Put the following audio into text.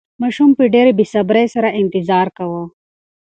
ماشوم په ډېرې بې صبرۍ سره انتظار کاوه.